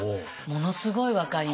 ものすごい分かります。